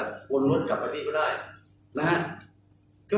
โฟนรถกลับไปที่นี่ก็ได้นะฮะ